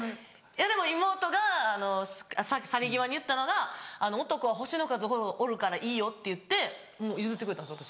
いやでも妹が去り際に言ったのが「男は星の数ほどおるからいいよ」って言って譲ってくれたんです。